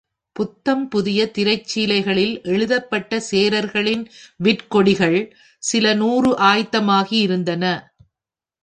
புத்தம்புதிய திரைச்சீலைகளில் எழுதப்பட்ட சேரர்களின் விற்கொடிகள் சில நூறு ஆயத்தமாகி இருந்தன.